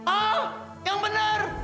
ah yang benar